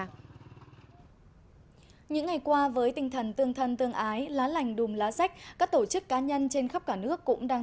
chủ yếu tập trung tại các huyện là hưng nguyên nghi lộc nam đàn